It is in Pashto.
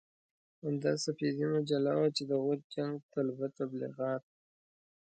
همدا سپېدې مجله وه چې د وچ جنګ طلبه تبليغات.